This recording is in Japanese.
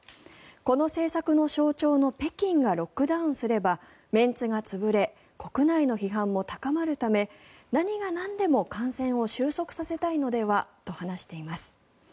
この政策の象徴の北京がロックダウンすればメンツが潰れ国内の批判も高まるため何がなんでも感染を収束させたいのではと話しています。